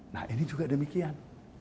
nah ini juga demikian